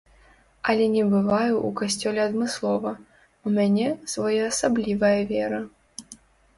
Але не бываю ў касцёле адмыслова, у мяне своеасаблівая вера.